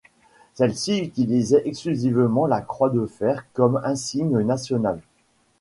Celle-ci utilisait exclusivement la croix de fer comme insigne national.